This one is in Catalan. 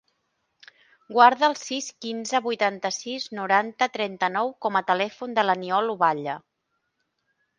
Guarda el sis, quinze, vuitanta-sis, noranta, trenta-nou com a telèfon de l'Aniol Ovalle.